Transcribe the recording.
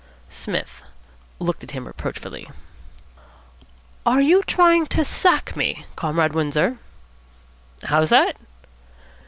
Psmith looked at him reproachfully. "Are you trying to sack me, Comrade Windsor?" "How's that?"